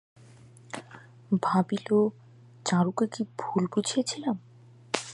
ভাবিল, চারুকে কী ভুল বুঝিয়াছিলাম।